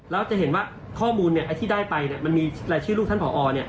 แล้วจะเห็นว่าข้อมูลที่ได้ไปมันมีรายชื่อลูกท่านผอ